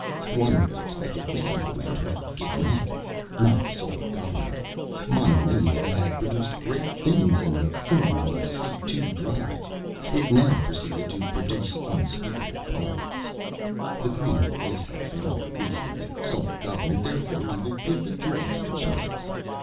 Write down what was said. One would have expected reasonable men to have given up. Not the Solar Government. Monomania had produced Great Things, in the form of a c/2 drive. It now proceeded to produce Unspeakable Horrors. The cream of the race had failed, reasoned the Solar Government, therefore, we will give the dregs a chance.